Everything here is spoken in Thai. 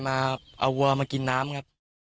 โว้วมากินน้ำครับ